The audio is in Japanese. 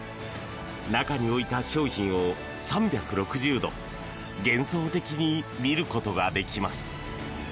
中に置いた商品を３６０度幻想的に見ることができます。